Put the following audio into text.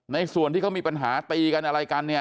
ส่วนที่เขามีปัญหาตีกันอะไรกันเนี่ย